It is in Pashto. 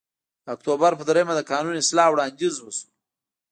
د اکتوبر په درېیمه د قانون اصلاح وړاندیز وشو